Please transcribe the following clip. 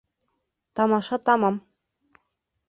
Тамаша тамам!